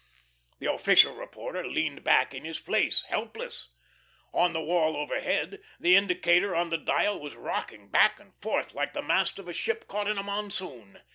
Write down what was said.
The official reporter leaned back in his place, helpless. On the wall overhead, the indicator on the dial was rocking back and forth, like the mast of a ship caught in a monsoon.